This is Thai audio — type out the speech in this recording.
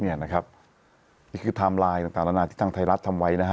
เนี้ยนะครับนี้คือธามไลน์ต่างต่างแล้วที่ทางใทรัศน์ทำไว้นะฮะ